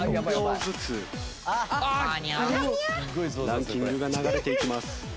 ランキングが流れていきます。